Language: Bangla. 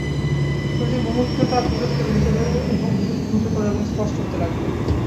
প্রতি মুহূর্তে তা দ্রুত থেকে দ্রুততর এবং স্পষ্ট হতে লাগল।